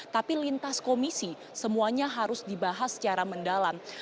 tapi lintas komisi semuanya harus dibahas secara mendalam